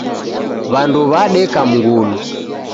W'andu w'adeka mngulu.